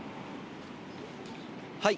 はい。